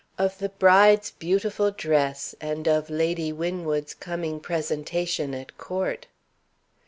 Of the bride's beautiful dress, and of Lady Winwood's coming presentation at court!"